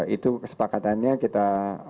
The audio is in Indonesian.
itu kesepakatannya kita